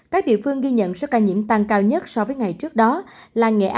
các địa phương ghi nhận số ca nhiễm tăng cao nhất so với ngày trước đó là đắk lắc giảm hai trăm linh tám ca